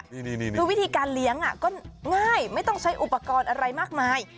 คือวิธีการเลี้ยงก็ง่ายไม่ต้องใช้อุปกรณ์อะไรมากมาย